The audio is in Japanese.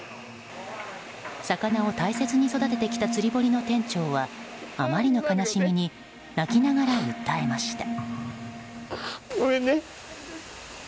魚を大切に育ててきた釣り堀の店長はあまりの悲しみに泣きながら訴えました。